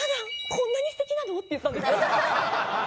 こんなに素敵なの？」って言ったんですよ。